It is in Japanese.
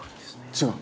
違う？